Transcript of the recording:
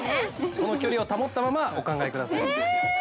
◆この距離を保ったまま、お考えください。